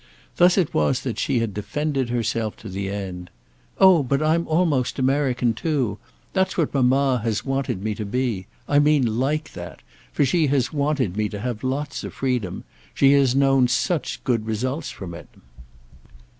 Thus it was that she had defended herself to the end—"Oh but I'm almost American too. That's what mamma has wanted me to be—I mean like that; for she has wanted me to have lots of freedom. She has known such good results from it."